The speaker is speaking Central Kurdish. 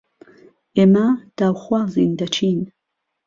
ئێمە داوخوازین دهچین